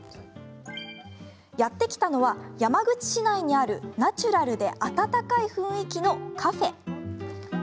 やって来たのは山口市内にあるナチュラルで温かい雰囲気のカフェ。